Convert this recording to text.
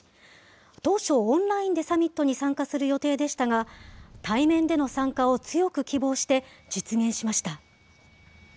当初、オンラインでサミットに参加する予定でしたが、対面での参加を強く希望して実現しました。